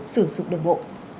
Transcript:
sử dụng đường bộ